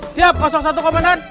siap satu komandan